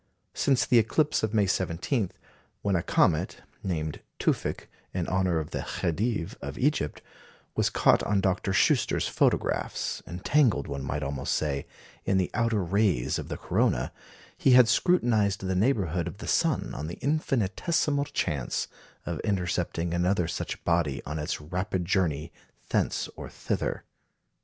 Since the eclipse of May 17, when a comet named "Tewfik" in honour of the Khedive of Egypt was caught on Dr. Schuster's photographs, entangled, one might almost say, in the outer rays of the corona, he had scrutinized the neighbourhood of the sun on the infinitesimal chance of intercepting another such body on its rapid journey thence or thither.